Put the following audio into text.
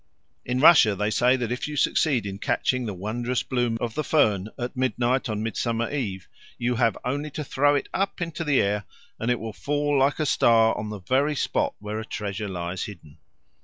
In Russia they say that if you succeed in catching the wondrous bloom of the fern at midnight on Midsummer Eve, you have only to throw it up into the air, and it will fall like a star on the very spot where a treasure lies hidden.